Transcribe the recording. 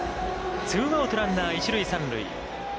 ツーアウト、ランナー一塁三塁。